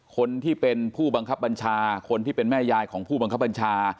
คนที่เป็นผู้บังคับบัญชาคนที่เป็นแม่ยายของผู้บังคับบัญชา